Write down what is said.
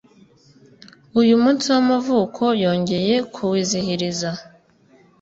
uyu munsi w'amavuko yongeye kuwizihiriza